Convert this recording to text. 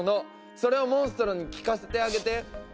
それをモンストロに聴かせてあげて。